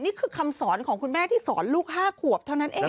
นี่คือคำสอนของคุณแม่ที่สอนลูก๕ขวบเท่านั้นเอง